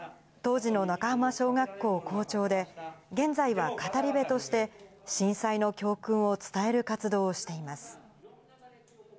当時の中浜小学校好調で、現在は語り部として、震災の教訓を伝える活動をしています。